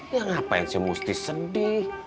ya ngapain sih mesti sedih